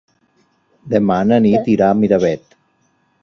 Demà na Nit irà a Miravet.